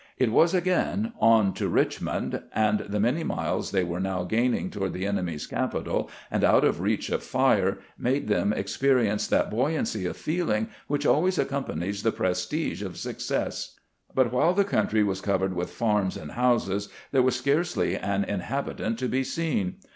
It was again " on to Eichmond," and the many miles they were now gaining toward the enemy's capital, and out of reach of fire, made them ex perience that buoyancy of feeling which always accom panies the prestige of success. But whUe the country was covered with farms and houses, there was scarcely an inhabitant to be seen.